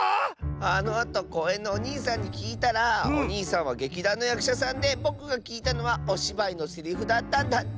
あのあとこうえんのおにいさんにきいたらおにいさんは劇団のやくしゃさんでぼくがきいたのはおしばいのセリフだったんだって！